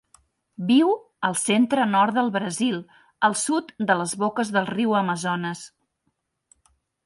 Viu al centre-nord del Brasil, al sud de les boques del riu Amazones.